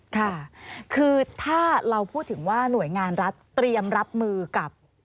ค่ะคือถ้าเราพูดถึงว่าหน่วยงานรัฐเตรียมรับมือกับ